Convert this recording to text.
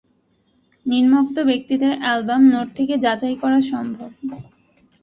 নিম্নোক্ত ব্যক্তিদের album note থেকে যাচাই করা সম্ভব